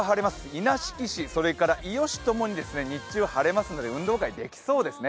稲敷市、伊予市ともに日中晴れますので運動会できそうですね。